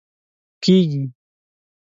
کېږي